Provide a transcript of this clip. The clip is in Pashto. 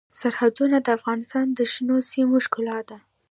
سرحدونه د افغانستان د شنو سیمو ښکلا ده.